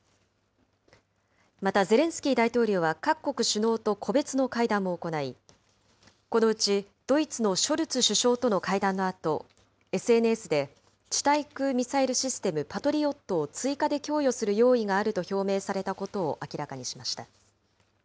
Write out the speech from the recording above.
また、ゼレンスキー大統領は各国首脳と個別の会談も行い、このうちドイツのショルツ首相との会談のあと、ＳＮＳで地対空ミサイルシステム、パトリオットを追加で供与する用意があると表明されたことを明らかにしました。